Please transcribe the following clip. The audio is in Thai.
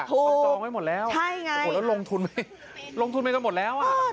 ถูกใช่ไงแล้วลงทุนไหมลงทุนไหมก็หมดแล้วอ้าว